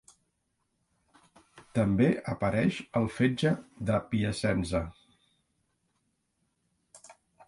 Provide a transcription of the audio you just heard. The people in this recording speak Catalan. També apareix al Fetge de Piacenza.